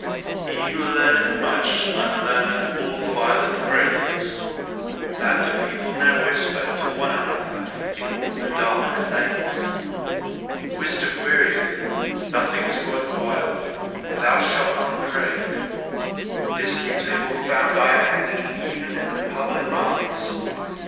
"He who learneth much unlearneth all violent cravings" that do people now whisper to one another in all the dark lanes. "Wisdom wearieth, nothing is worth while; thou shalt not crave!" this new table found I hanging even in the public markets.